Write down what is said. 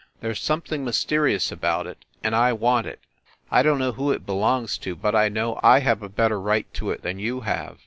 There s something mysterious about it, and I want it. I don t know who it belongs to, but I know I have a better right to it than you have.